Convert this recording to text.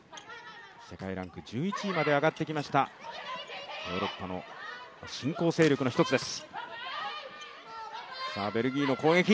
世界ランク１１位まで上がってきましたヨーロッパの新興勢力の１つです。